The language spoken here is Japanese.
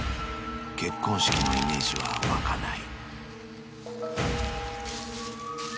結婚式のイメージは湧かない］